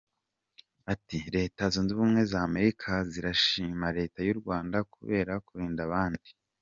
Ati: “Leta Zunze Ubumwe z’Amerika zirashimira Leta y’u Rwanda kubera kurinda abandi.